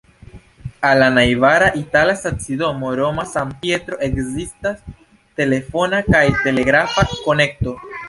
Al la najbara itala stacidomo Roma-San-Pietro ekzistas telefona kaj telegrafa konektoj.